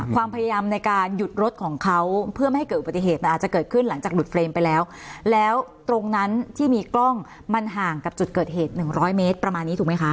ความพยายามในการหยุดรถของเขาเพื่อไม่ให้เกิดอุบัติเหตุมันอาจจะเกิดขึ้นหลังจากหลุดเฟรมไปแล้วแล้วตรงนั้นที่มีกล้องมันห่างกับจุดเกิดเหตุ๑๐๐เมตรประมาณนี้ถูกไหมคะ